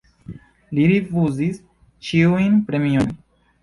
Li rifuzis ĉiujn premiojn.